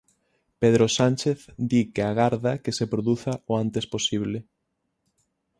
Pedro Sánchez di que agarda que se produza o antes posible.